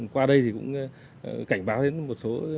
qua đây thì cũng cảnh báo đến một số